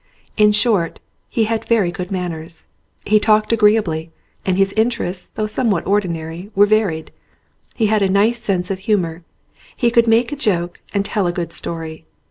In short he had very good manners. He talked agreeably, and his interests, though somewhat or dinary, were varied. He had a nice sense of humour. He could make a joke and tell a good story.